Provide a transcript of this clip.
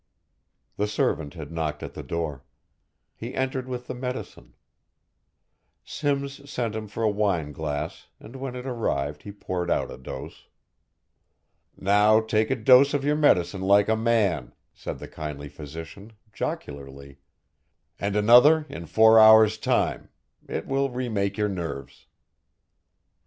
The servant had knocked at the door. He entered with the medicine. Simms sent him for a wine glass and when it arrived he poured out a dose. "Now take a dose of your medicine like a man," said the kindly physician, jocularly, "and another in four hours' time, it will re make your nerves."